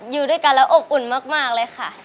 อยู่ด้วยกันแล้วอบอุ่นมากเลยค่ะ